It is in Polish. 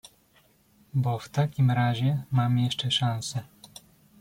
"„Bo w takim razie mam jeszcze szanse“."